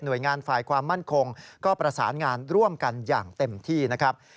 โดยงานฝ่ายความมั่นคงก็ประสานงานร่วมกันอย่างเต็มที่นะครับ